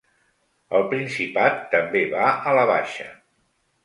Al Principat, també va a la baixa.